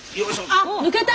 あ抜けた！